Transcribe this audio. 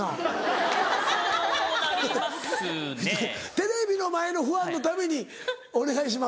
テレビの前のファンのためにお願いします。